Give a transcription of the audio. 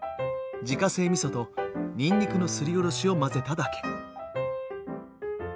自家製みそとにんにくのすりおろしを混ぜただけ。